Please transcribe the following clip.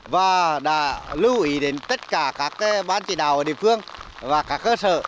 và đã lưu ý đến tất cả các bán chỉ đào ở địa phương và các cơ sở